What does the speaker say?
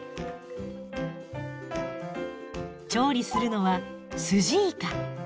調理するのは「スジイカ」。